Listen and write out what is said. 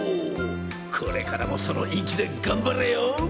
これからもその意気で頑張れよ。